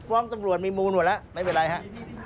เด็กผมฟ้องจังหลวนมีมูลหน่อยละไม่เป็นไรหั๊ะ